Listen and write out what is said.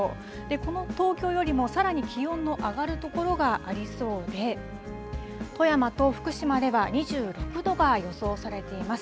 この東京よりもさらに気温の上がる所がありそうで、富山と福島では２６度が予想されています。